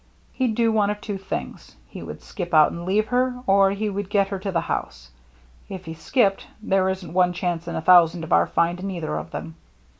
He'd do one of two things — he would skip out and leave her, or he would get her to the house. If he skipped, there isn't one chance in a thousand of our finding either of them.